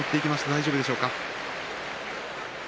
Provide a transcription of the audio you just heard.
大丈夫でしょうか。